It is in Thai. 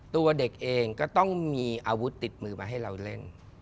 ตัวเด็กเองก็ต้องมีอาวุธติดมือมาให้เราเล่น